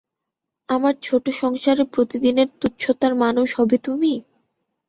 আমার ছোটো সংসারে প্রতিদিনের তুচ্ছতার মানুষ হবে তুমি!